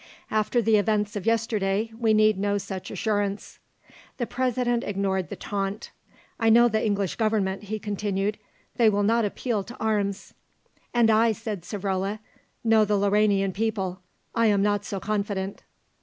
"After the events of yesterday we need no such assurance." The President ignored the taunt. "I know the English Government," he continued; "they will not appeal to arms." "And I," said Savrola, "know the Lauranian people. I am not so confident."